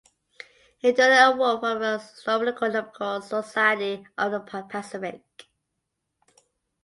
It earned an award from the Astronomical Society of the Pacific.